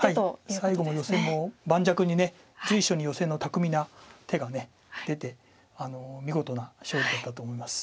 最後もヨセも盤石に随所にヨセの巧みな手が出て見事な勝利だったと思います。